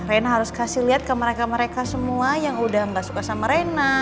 rena harus kasih lihat ke mereka mereka semua yang udah gak suka sama rena